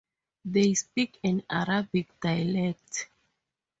They speak an Arabic dialect.